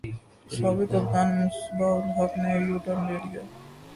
سابق کپتان مصباح الحق نے یوٹرن لے لیا